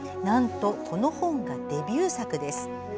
なんと、この本がデビュー作です。